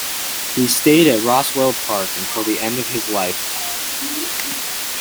He stayed at Roswell Park until the end of his life.